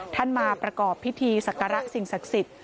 มาประกอบพิธีศักระสิ่งศักดิ์สิทธิ์